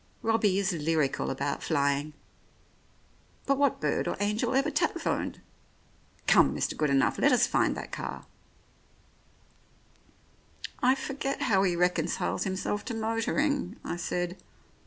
Robbie is lyrical about flying. But what bird or angel ever telephoned? Come, Mr. Goodenough, let us find that car." 102 The Oriolists "I forget how he reconciles himself to motoring," I said.